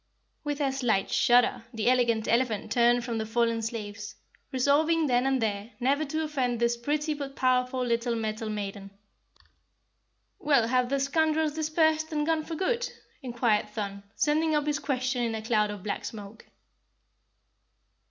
With a slight shudder the Elegant Elephant turned from the fallen slaves, resolving then and there never to offend this pretty but powerful little metal maiden. "Well, have the scoundrels dispersed and gone for good?" inquired Thun, sending up his question in a cloud of black smoke.